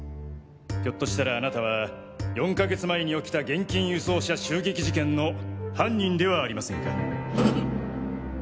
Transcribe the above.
ひょっとしたらあなたは４か月前におきた現金輸送車襲撃事件の犯人ではありませんか？